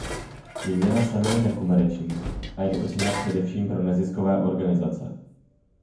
Výměna semen je nekomerční a je určena především pro neziskové organizace.